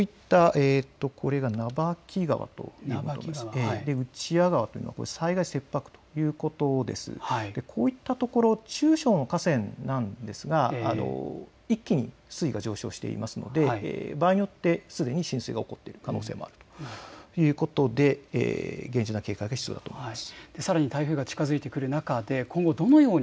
長木川、内谷川というのは災害切迫ということですがこういったところ中小の河川なんですが、一気に水位が上昇していますので場合によってすでに浸水が起こっている可能性もあるということで、厳重な警戒が必要だと思います。